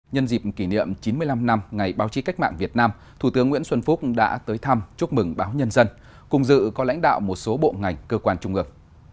nhân dịp kỷ niệm chín mươi năm năm ngày báo chí cách mạng việt nam thủ tướng nguyễn xuân phúc đã tới thăm chúc mừng báo nhân dân cùng dự có lãnh đạo một số bộ ngành cơ quan trung ước